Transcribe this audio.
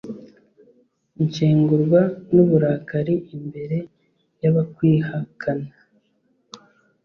nshengurwa n'uburakari imbere y'abakwihakana